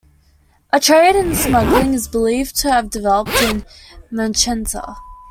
A trade in smuggling is believed to have developed in Macenta.